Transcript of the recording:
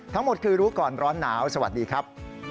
ทั้งหมดคือรู้ก่อนร้อนหนาวสวัสดีครับ